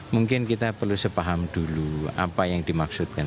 mungkin kita perlu sepaham dulu apa yang dimaksudkan